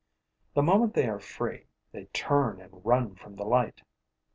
The moment they are free, they turn and run from the light.